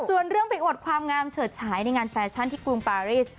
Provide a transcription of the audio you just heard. ส่วนเรื่องไปอวดความงามเฉิดฉายในงานแฟชั่นที่กรุงปาริส